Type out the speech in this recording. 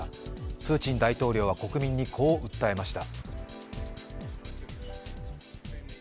プーチン大統領は国民にこう訴えました。